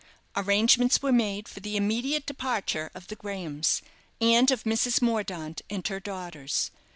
Arrangements were made for the immediate departure of the Grahams, and of Mrs. Mordaunt and her daughters.